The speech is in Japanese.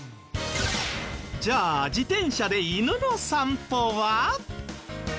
じゃあ自転車で犬の散歩は？